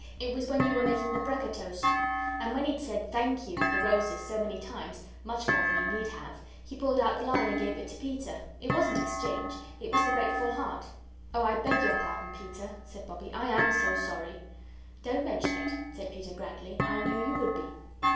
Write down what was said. It was when you were making the brekker toast. And when he'd said 'Thank you' for the roses so many times much more than he need have he pulled out the line and gave it to Peter. It wasn't exchange. It was the grateful heart." "Oh, I BEG your pardon, Peter," said Bobbie, "I AM so sorry." "Don't mention it," said Peter, grandly, "I knew you would be."